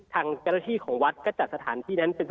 ทางเจ้าหน้าที่ของวัดก็จัดสถานที่นั้น